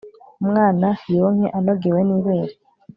umwana yonke anogewe nibere